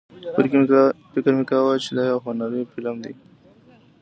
فکر مې کاوه چې دا یو هنري فلم دی.